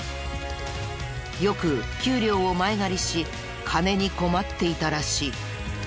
よく給料を前借りし金に困っていたらしい。